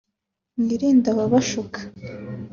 mwirinde ababashuka